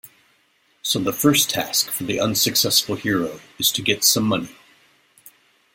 So the first task for the unsuccessful hero is to get some money.